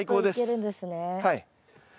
はい。